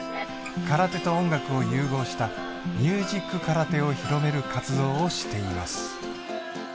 空手と音楽を融合したミュージック空手を広める活動をしています